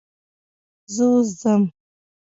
زه اوس ځم .